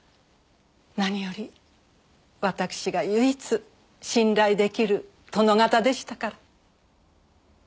何よりわたくしが唯一信頼出来る殿方でしたから。